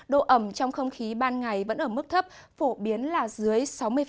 độ ẩm trong không khí ban ngày vẫn ở mức thấp phổ biến là dưới sáu mươi